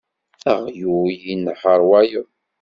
Aɣyul inehheṛ wayeḍ.